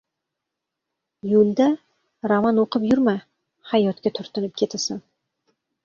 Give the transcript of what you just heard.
Yo‘lda roman o‘qib yurma, hayotga turtinib ketasan.